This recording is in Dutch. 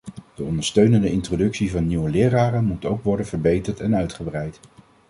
De ondersteunende introductie van nieuwe leraren moet ook worden verbeterd en uitgebreid.